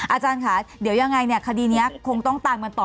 อาจารย์ค่ะเดี๋ยวยังไงเนี่ยคดีนี้คงต้องตามกันต่อ